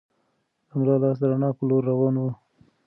د ملا لاس د رڼا په لور روان و.